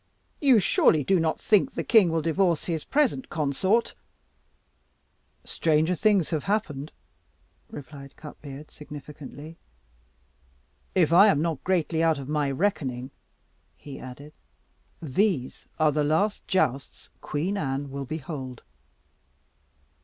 "You surely do not think the king will divorce his present consort?" "Stranger things have happened," replied Cutbeard significantly. "If I am not greatly out of my reckoning," he added, "these are the last jousts Queen Anne will behold."